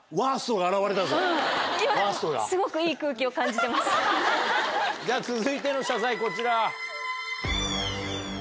じゃ続いての謝罪こちら。